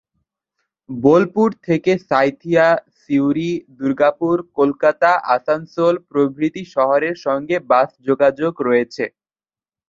বোলপুর থেকে সাঁইথিয়া, সিউড়ি, দুর্গাপুর, কলকাতা, আসানসোল প্রভৃতি শহরের সঙ্গে বাস যোগাযোগ রয়েছে।